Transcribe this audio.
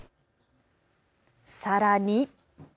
さらに。